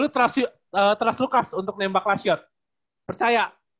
lu lu trust lucas untuk nembak last shot percaya